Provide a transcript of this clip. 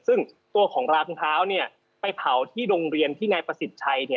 ซึ่งตัวของราถุงเท้าไปเผาที่โรงเรียนที่นายประสิทธิ์ชัย